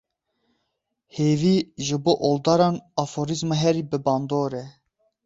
Hêvî, ji bo oldaran aforîzma herî bibandor e.